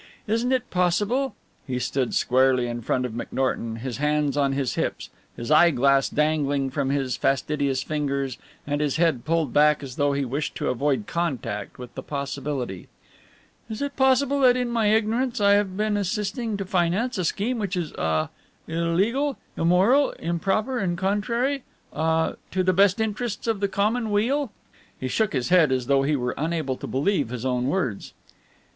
Is it possible" he stood squarely in front of McNorton, his hands on his hips, his eyeglass dangling from his fastidious fingers and his head pulled back as though he wished to avoid contact with the possibility, "is it possible that in my ignorance I have been assisting to finance a scheme which is ah illegal, immoral, improper and contrary ah to the best interests of the common weal?" He shook his head as though he were unable to believe his own words.